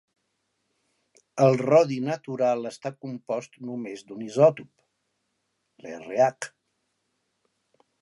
El rodi natural està compost només d'un isòtop, l'Rh.